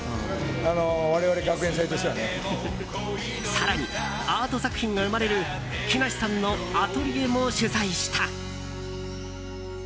更に、アート作品が生まれる木梨さんのアトリエも取材した。